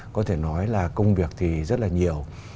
có thể nói là công việc thì rất là nhiều